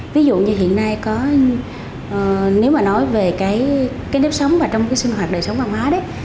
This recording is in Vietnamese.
ví dụ như hiện nay có nếu mà nói về cái nếp sống và trong cái sinh hoạt đời sống văn hóa đấy